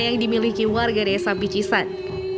yang dimiliki warga desa bijisan